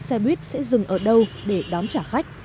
xe buýt sẽ dừng ở đâu để đón trả khách